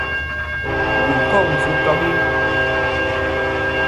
Wù n-kôŋ sɨ taŋi.